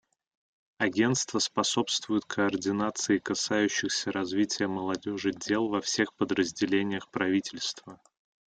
Агентство способствует координации касающихся развития молодежи дел во всех подразделениях правительства.